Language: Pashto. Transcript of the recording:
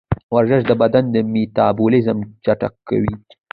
ورزش د بدن میتابولیزم چټکوي.